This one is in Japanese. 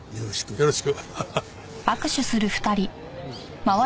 よろしく。